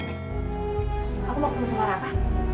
aku mau ke rumah sama raka